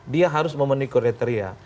dia harus memenuhi kriteria